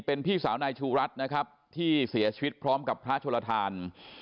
เป็นพี่สาวนายชุรัตรที่เสียชีวิตเพิ่มกับพระอาทรวทาน